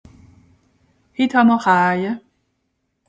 Hitt ha'mr Raje.